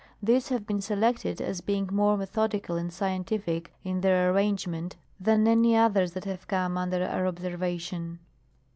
These have been selected, as being more methodical and scientific in their arrangement than any others that have come under our observation.